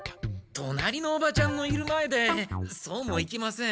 隣のおばちゃんのいる前でそうもいきません。